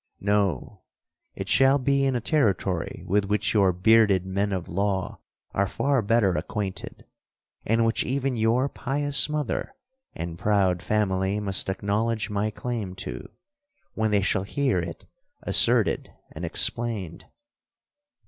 —'No!—it shall be in a territory with which your bearded men of law are far better acquainted, and which even your pious mother and proud family must acknowledge my claim to, when they shall hear it asserted and explained.